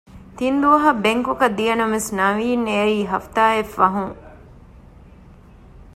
ތިންދުވަހަށް ބެންކޮކަށް ދިޔަނަމަވެސް ނަވީން އެއައީ ހަފްތާއެއް ފަހުން